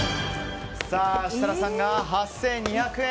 設楽さんが８２００円。